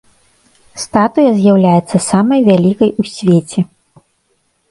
Статуя з'яўляецца самай вялікай у свеце.